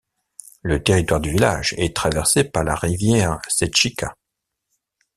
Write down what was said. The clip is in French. Le territoire du village est traversé par la rivière Sečica.